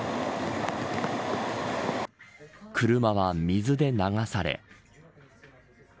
車は水で流され。